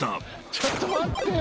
ちょっと待ってよ